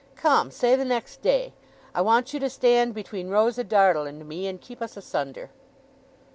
Come! Say the next day! I want you to stand between Rosa Dartle and me, and keep us asunder.